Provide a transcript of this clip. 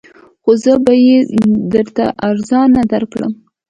خو زه به یې درته ارزانه درکړم